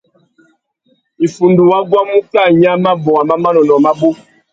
Iffundu wa guamú kā nya mabôwa má manônôh mabú.